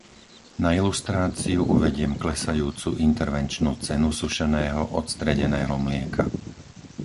Na ilustráciu uvediem klesajúcu intervenčnú cenu sušeného odstredeného mlieka.